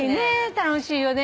楽しいよね。